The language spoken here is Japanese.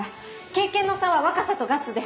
経験の差は若さとガッツで。